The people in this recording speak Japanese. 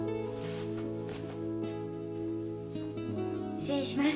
失礼します。